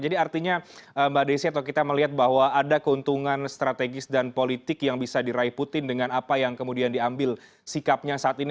jadi artinya mbak desi atau kita melihat bahwa ada keuntungan strategis dan politik yang bisa diraih putin dengan apa yang kemudian diambil sikapnya saat ini